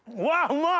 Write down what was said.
うまい！